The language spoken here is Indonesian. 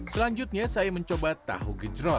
selanjutnya saya mencoba tahu gejrot